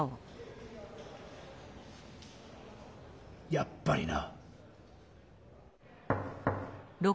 やっぱりな。